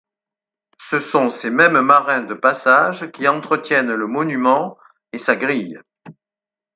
Ce sont ces mêmes marins de passage qui entretiennent le monument et sa grille.